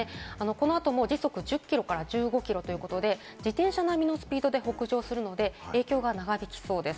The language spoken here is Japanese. この後も時速１０キロから１５キロということで、自転車並みのスピードで北上するので、影響が長引きそうです。